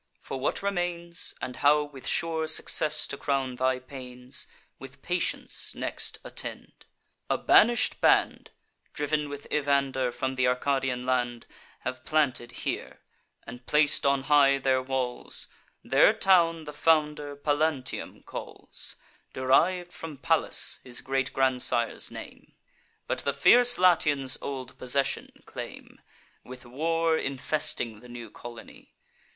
For what remains, And how with sure success to crown thy pains, With patience next attend. A banish'd band, Driv'n with Evander from th' Arcadian land, Have planted here, and plac'd on high their walls; Their town the founder Pallanteum calls, Deriv'd from Pallas, his great grandsire's name: But the fierce Latians old possession claim, With war infesting the new colony.